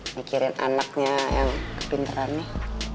mikirin anaknya yang kepinteran nih